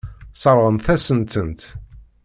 Sseṛɣent-asen-tent.